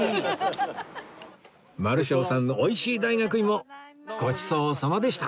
丸昇さんのおいしい大学芋ごちそうさまでした！